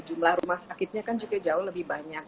jumlah rumah sakitnya kan juga jauh lebih banyak